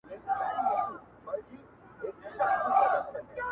زوړ پیمان تازه کومه یارانې چي هېر مي نه کې -